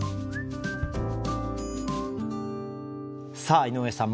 さあ井上さん